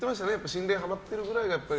心霊にハマってるくらいがって。